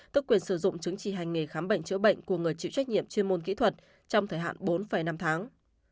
tức quyền sử dụng chứng chỉ hành nghề khám bệnh chữa bệnh của người chịu trách nhiệm chuyên môn kỹ thuật trong thời hạn bốn năm tháng